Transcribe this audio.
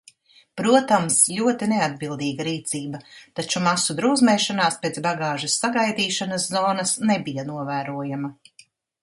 Protams, ļoti neatbildīga rīcība, taču masu drūzmēšanās pēc bagāžas sagaidīšanas zonas nebija novērojama.